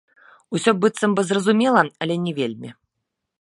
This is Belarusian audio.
Усё быццам бы зразумела, але не вельмі.